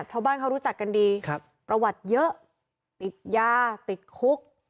ชาวบ้านเขารู้จักกันดีประวัติเยอะติดยาติดคุก